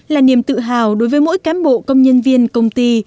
là niềm tự hào đối với mỗi cán bộ công nhân viên công ty